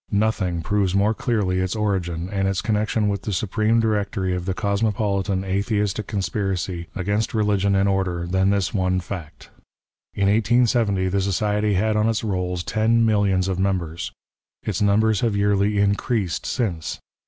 Nothing proves more clearly its origin and its connection with the Supreme Directory of the Cosmopolitan Atheistic Conspiracy against XVI PREFACE. religion and order than this one fact. In 1870, the society liad on its rolls ten milhons of members. Its numbers have yearly increased since.